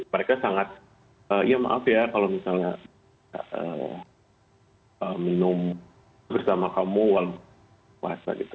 mereka sangat ya maaf ya kalau misalnya minum bersama kamu walaupun puasa gitu